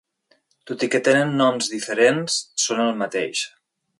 Tot i que tenen noms diferents, són el mateix.